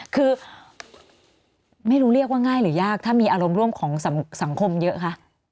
คือไม่รู้เรียกว่าง่ายหรือยากถ้ามีอารมณ์ร่วมของสังคมเยอะคะ